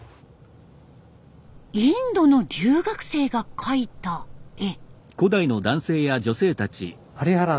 インドの留学生が描いた絵。